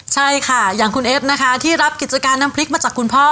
ใช่ค่ะอย่างคุณเอฟนะคะที่รับกิจการน้ำพริกมาจากคุณพ่อ